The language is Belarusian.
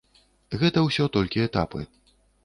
Гэта ўсё толькі этапы.